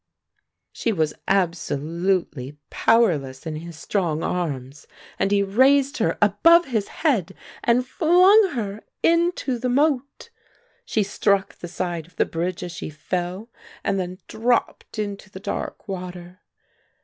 She was absolutely powerless in his strong arms and he raised her above his head and flung her into the moat. She struck the side of the bridge as she fell and then dropped into the dark water.